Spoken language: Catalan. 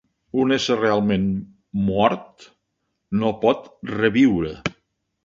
Un ésser realment mort no pot reviure.